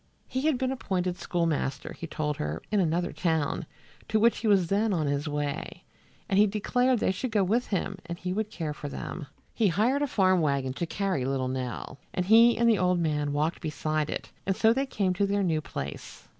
He had been appointed schoolmaster, he told her, in another town, to which he was then on his way, and he declared they should go with him and he would care for them. He hired a farm wagon to carry little Nell, and he and the old man walked beside it, and so they came to their new place.